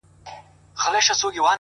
په گلونو کي عجيبه فلسفه ده _